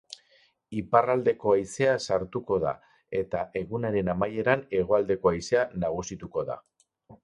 Iparraldeko haizea sartuko da, eta egunaren amaieran hegoaldeko haizea nagusituko da.